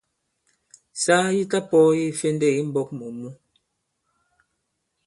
Saa yi ta-pɔ̄ɔye ifendêk i mbɔ̄k mù mǔ.